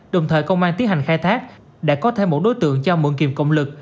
đồng thời công an tiến hành khai thác đã có thêm một đối tượng cho mượn kìm cộng lực